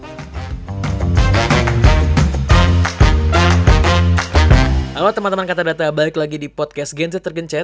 halo teman teman katadata balik lagi di podcast gen z tergen z